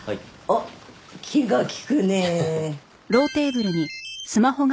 おっ気が利くねえ。